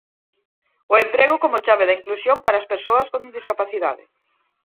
O emprego como chave da inclusión para as persoas con discapacidade.